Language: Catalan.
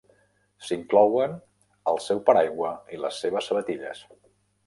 S'inclouen el seu paraigua i les seves sabatilles.